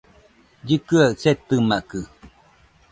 Llɨkɨaɨ setɨmakɨ